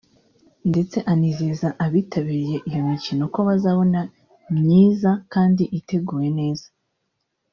ndetse anizeza abitabiriye iyi mikino ko bazabona myiza kandi iteguye neza